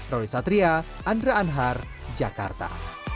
roni satria andra anhar jakarta